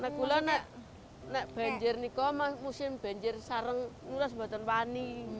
nek gula nek benjer nih kau mah musim benjer sarang lu lah sempatan panik